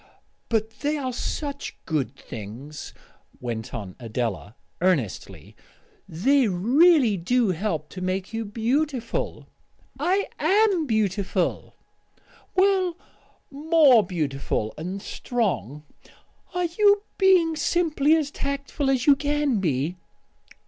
"But they are such good things," went on Adela earnestly. "They really do help to make you beautiful " "I am beautiful." "Well, much more beautiful, and strong " "Are you being simply as tactful as you can be?"